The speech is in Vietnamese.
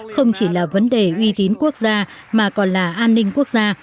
không chỉ là vấn đề uy tín quốc gia mà còn là an ninh quốc gia